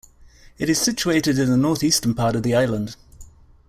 It is situated in the northeastern part of the island.